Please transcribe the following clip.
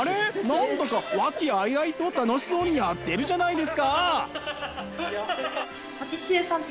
何だか和気あいあいと楽しそうにやってるじゃないですか！